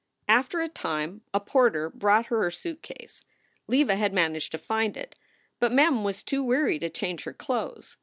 After a time a porter brought her her suitcase. Leva had managed to find it. But Mem was too weary to change her clothes.